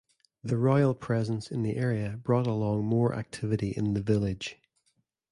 The royal presence in the area brought along more activity in the village.